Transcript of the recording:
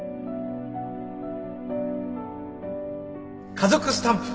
家族スタンプ。